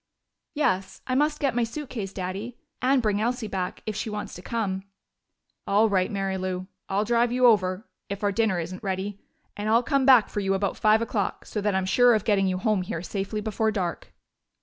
"Yes, I must get my suitcase, Daddy. And bring Elsie back, if she wants to come." "All right, Mary Lou. I'll drive you over, if our dinner isn't ready. And I'll come back for you about five o'clock, so that I'm sure of getting you home here safely before dark."